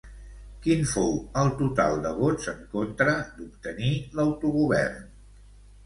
Quin fou el total de vots en contra d'obtenir l'autogovern?